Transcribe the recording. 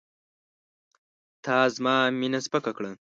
تا زما مینه سپکه کړه.